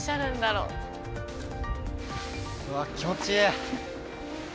うわっ気持ちいい！